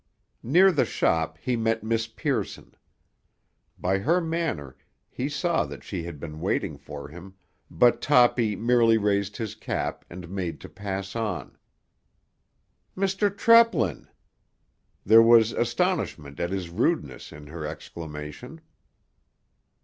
Near the shop he met Miss Pearson. By her manner he saw that she had been waiting for him, but Toppy merely raised his cap and made to pass on. "Mr. Treplin!" There was astonishment at his rudeness in her exclamation.